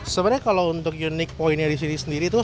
sebenarnya kalau untuk unik pointnya di sini sendiri itu